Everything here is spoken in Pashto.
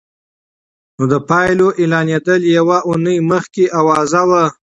نو د پايلو اعلانېدل يوه اونۍ مخکې اوازه وه.